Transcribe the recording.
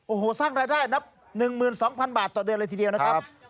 โอ้โหสร้างรายได้นับ๑๒๐๐๐บาทต่อเดือนเลยทีเดียวนะครับ